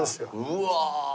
うわ。